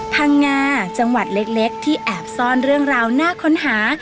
พังงาจังหวัดเล็กที่แอบซ่อนเรื่องราวน่าค้นหา